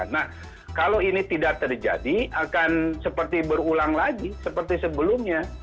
nah kalau ini tidak terjadi akan seperti berulang lagi seperti sebelumnya